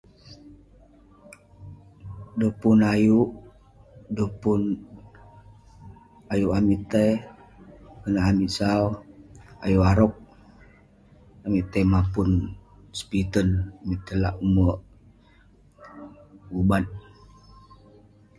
dan pun ayuk dan pun ayuk ami'ek tai anah ami'ek sau ayuk arok ami'ek tai mapun sepiten amai tai lak umek pubat